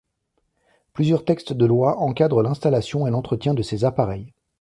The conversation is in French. Plusieurs textes de loi encadrent l'installation et l'entretien de ces appareils.